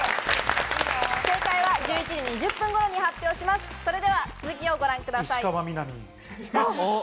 正解は１１時２０分頃に発表いたします。